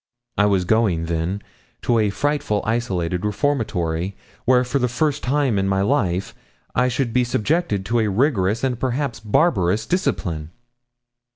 I was going, then, to a frightful isolated reformatory, where for the first time in my life I should be subjected to a rigorous and perhaps barbarous discipline.